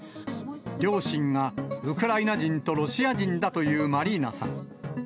両親がウクライナ人とロシア人だというマリーナさん。